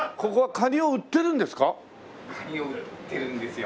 カニを売ってるんですよ。